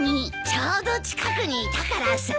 ちょうど近くにいたからさ。